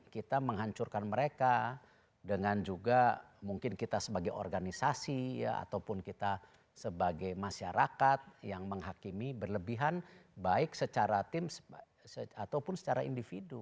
kita menghancurkan mereka dengan juga mungkin kita sebagai organisasi ya ataupun kita sebagai masyarakat yang menghakimi berlebihan baik secara tim ataupun secara individu